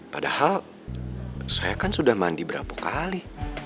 padahal saya kan sudah mandi berapa kali